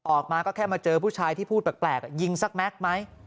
ออกมาก็แค่มาเจอผู้ชายที่พูดแปลกยิงสักแม็กซ์ไหม